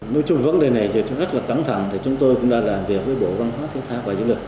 nói chung vấn đề này rất là cẩn thận chúng tôi cũng đã làm việc với bộ văn hóa thể thao và du lịch